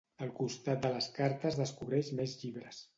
Al costat de les cartes descobreix més llibres.